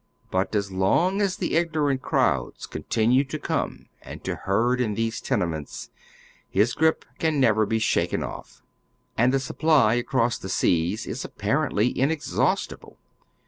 But as long as the ignorant crowds continue to come and to herd in these tenements, his grip can never be shaken oif. And the supply across the seas is apparently inexhaustible.